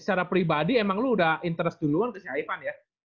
secara pribadi emang lu udah interest duluan ke saipan ya